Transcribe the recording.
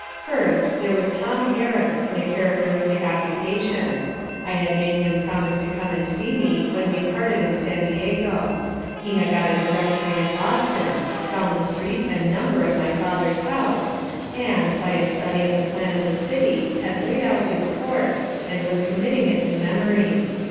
First, there was Tom Harris, in a characteristic occupation. I had made him promise to come and see me when we parted in San Diego; he had got a directory of Boston, found the street and number of my father's house, and, by a study of the plan of the city, had laid out his course, and was committing it to memory.